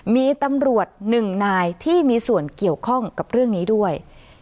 มีตำรวจหนึ่งนายที่มีส่วนเกี่ยวข้องกับเรื่องนี้ด้วย